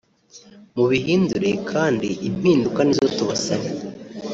mubihindure kandi impinduka nizo tubasaba